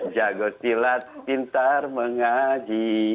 jago silat pintar mengaji